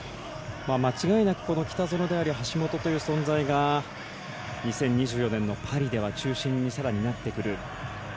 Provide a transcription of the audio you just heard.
間違いなく北園であり、橋本という存在が２０２４年のパリではさらに中心になってくる。